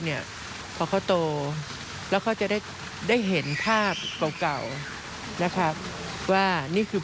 เนี่ยพอเขาโตแล้วเขาจะได้ได้เห็นภาพเก่านะครับว่านี่คือ